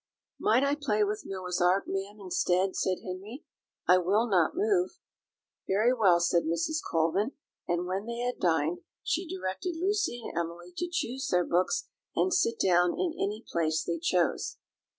"Might I play with Noah's ark, ma'am, instead?" said Henry; "I will not move." "Very well," said Mrs. Colvin; and when they had dined, she directed Lucy and Emily to choose their books and sit down in any place they chose.